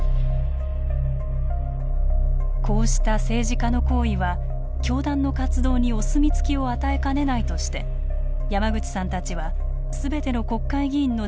こうした政治家の行為は教団の活動にお墨付きを与えかねないとして山口さんたちはすべての国会議員の事務所を訪問。